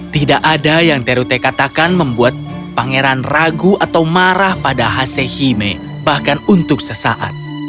tidak ada yang terute katakan membuat pangeran ragu atau marah pada hasehime bahkan untuk sesaat